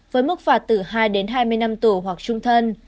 với mức phạt từ hai đến hai mươi năm tù hoặc trung thân